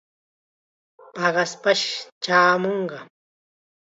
Paqaspash chaamunqa.